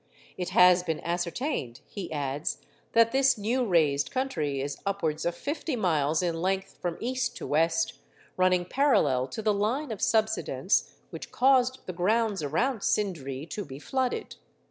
It has been ascertained,' he adds, 'that this new raised country is upwards of fifty miles in length from east to west, running parallel to the line of subsidence which caused the grounds around Sindree to be flooded.